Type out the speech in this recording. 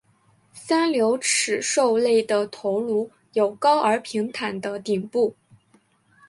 三瘤齿兽类的头颅有高而平坦的顶部。